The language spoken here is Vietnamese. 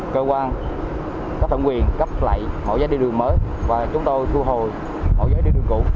cơ quan cấp thẩm quyền cấp lại mẫu giấy đi đường mới và chúng tôi thu hùi mẫu giấy đi đường cũ